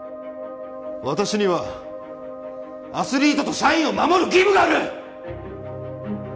私にはアスリートと社員を守る義務がある！